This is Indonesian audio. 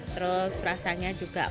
terus rasanya juga